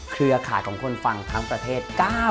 เครือข่ายของคนฟังทั้งประเทศ